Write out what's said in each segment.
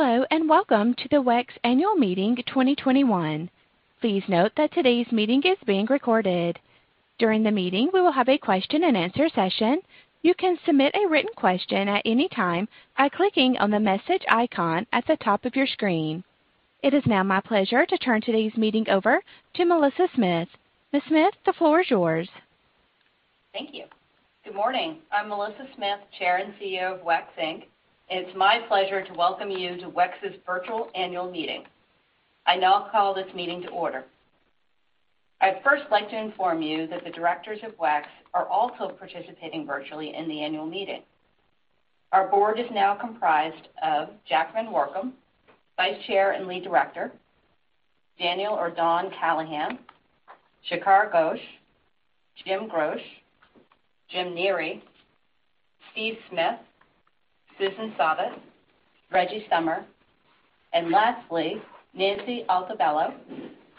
Hello, and welcome to the WEX Annual Meeting 2021. Please note that today's meeting is being recorded. During the meeting, we will have a question and answer session. You can submit a written question at any time by clicking on the message icon at the top of your screen. It is now my pleasure to turn today's meeting over to Melissa Smith. Ms. Smith, the floor is yours. Thank you. Good morning. I am Melissa Smith, Chair and CEO of WEX Inc., and it is my pleasure to welcome you to WEX's virtual annual meeting. I now call this meeting to order. I would first like to inform you that the directors of WEX are also participating virtually in the annual meeting. Our board is now comprised of Jack VanWoerkom, Vice Chair and Lead Director, Daniel or Dan Callahan, Shikhar Ghosh, Jim Groch, Jim Neary, Steve Smith, Susan Sobbott, Reggie Sommer, and lastly, Nancy Altobello,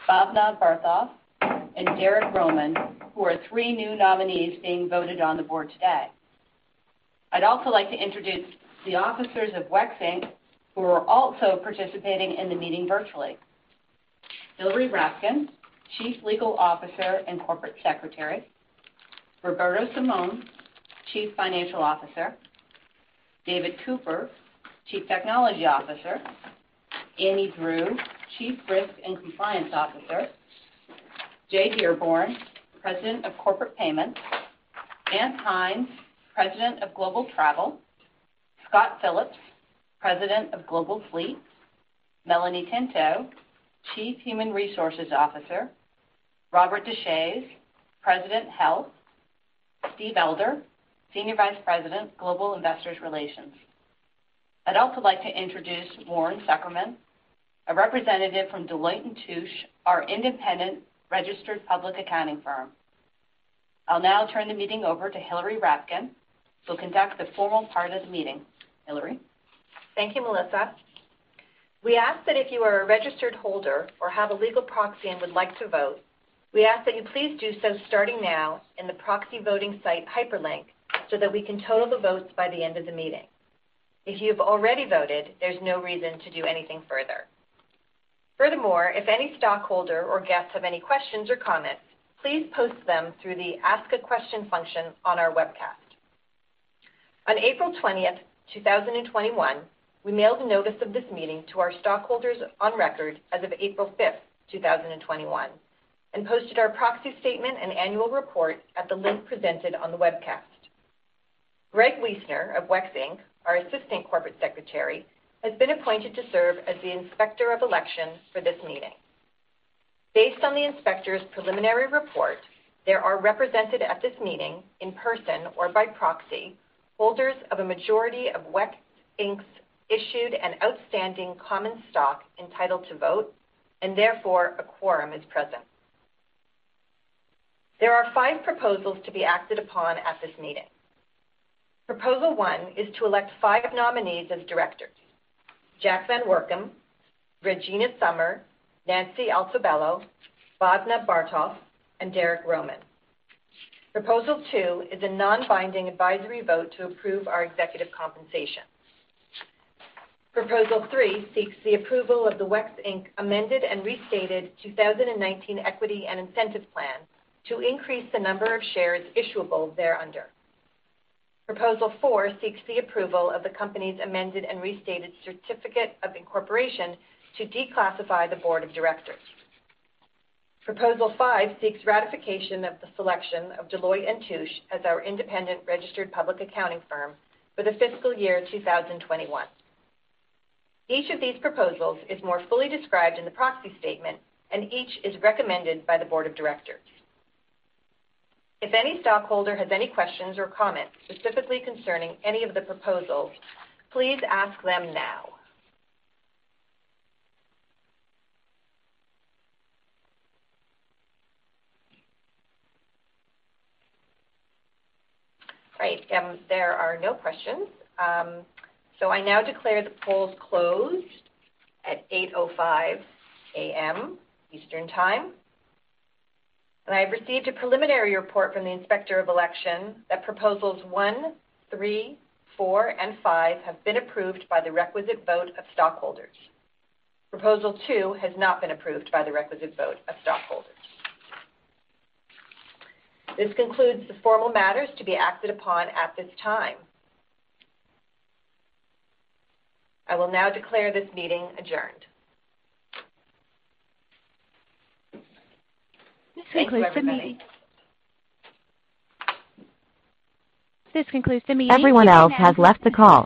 Bhavana Bartholf, and Derrick Roman, who are three new nominees being voted on the board today. I would also like to introduce the officers of WEX Inc., who are also participating in the meeting virtually. Hilary Rapkin, Chief Legal Officer and Corporate Secretary, Roberto Simon, Chief Financial Officer, David Cooper, Chief Technology Officer, Annie Drew, Chief Risk and Compliance Officer, Jay Dearborn, President of Corporate Payments, Anthony Hynes, President of Global Travel, Scott Phillips, President of Global Fleet, Melanie Tinto, Chief Human Resources Officer, Robert Deshaies, President of Health, Steve Elder, Senior Vice President, Global Investor Relations. I'd also like to introduce Warren Zuckerman, a representative from Deloitte & Touche, our independent registered public accounting firm. I'll now turn the meeting over to Hilary Rapkin, who will conduct the formal part of the meeting. Hilary? Thank you, Melissa. We ask that if you are a registered holder or have a legal proxy and would like to vote, we ask that you please do so starting now in the proxy voting site hyperlink so that we can total the votes by the end of the meeting. If you have already voted, there's no reason to do anything further. If any stockholder or guests have any questions or comments, please post them through the ask a question function on our webcast. On April 20th, 2021, we mailed notice of this meeting to our stockholders on record as of April 5th, 2021, and posted our proxy statement and annual report at the link presented on the webcast. Greg Wiessner of WEX Inc., our Assistant Corporate Secretary, has been appointed to serve as the Inspector of Election for this meeting. Based on the inspector's preliminary report, there are represented at this meeting, in person or by proxy, holders of a majority of WEX Inc.'s issued and outstanding common stock entitled to vote, and therefore, a quorum is present. There are five proposals to be acted upon at this meeting. Proposal one is to elect five nominees as directors, Jack VanWoerkom, Regina Sommer, Nancy Altobello, Bhavana Bartholf, and Derrick Roman. Proposal two is a non-binding advisory vote to approve our executive compensation. Proposal three seeks the approval of the WEX Inc. Amended and Restated 2019 Equity and Incentive Plan to increase the number of shares issuable thereunder. Proposal four seeks the approval of the company's amended and restated certificate of incorporation to declassify the board of directors. Proposal five seeks ratification of the selection of Deloitte & Touche as our independent registered public accounting firm for the fiscal year 2021. Each of these proposals is more fully described in the proxy statement, and each is recommended by the board of directors. If any stockholder has any questions or comments specifically concerning any of the proposals, please ask them now. Great. There are no questions. I now declare the polls closed at 8:05 A.M. Eastern Time, and I have received a preliminary report from the Inspector of Election that proposals one, three, four, and five have been approved by the requisite vote of stockholders. Proposal two has not been approved by the requisite vote of stockholders. This concludes the formal matters to be acted upon at this time. I will now declare this meeting adjourned. This concludes the meeting.